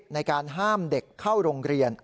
ในการห้ามเด็กเข้าโรงเรียน